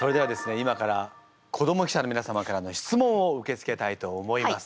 今から子ども記者のみなさまからの質問を受け付けたいと思います。